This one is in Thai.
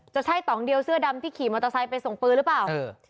จะใช่ต่องเดียวเสื้อดำที่ขี่มอเตอร์ไซค์ไปส่งปืนหรือเปล่า